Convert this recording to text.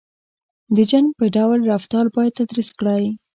• د جن په ډول رفتار باید تدریس کېدای.